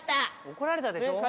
怒られたでしょほら。